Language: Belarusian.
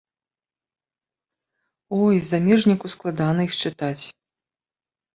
Ой, замежніку складана іх чытаць!